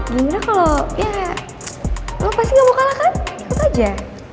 gimana kalau ya kayak lo pasti gak mau kalah kan ikut aja